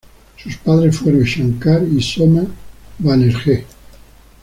Sus padres fueron Shankar y Soma Banerjee.